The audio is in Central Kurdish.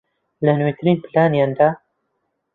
لە نوێترین پلانیاندا